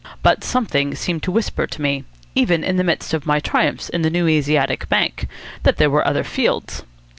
But something seemed to whisper to me, even in the midst of my triumphs in the New Asiatic Bank, that there were other fields.